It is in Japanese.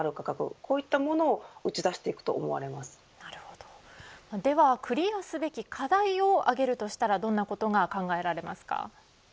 こういったものをでは、クリアすべき課題を挙げるとしたらどんなことが考えられますか。